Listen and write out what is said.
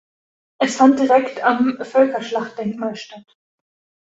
Es fand direkt am Völkerschlachtdenkmal statt.